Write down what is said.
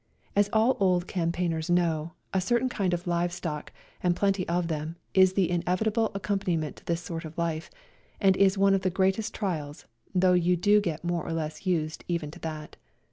As all old campaigners know, a certain kind of live stock, and plenty of them, is the inevitable accom paniment to this sort of life, and is one of its greatest trials, though you do get more or less used even to that.